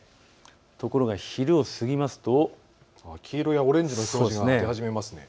ところが昼を過ぎますと黄色やオレンジの表示が出始めますね。